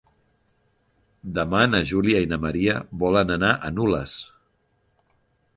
Demà na Júlia i na Maria volen anar a Nules.